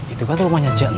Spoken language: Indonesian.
itu kan rumahnya cak nitin